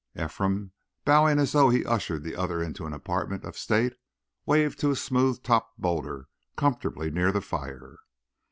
Ephraim, bowing as though he ushered the other into an apartment of state, waved to a smooth topped boulder comfortably near the fire.